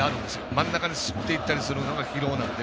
真ん中にスッといったりするのが疲労なんで。